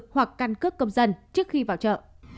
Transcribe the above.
hoặc căn cước công dân trước khi vào chợ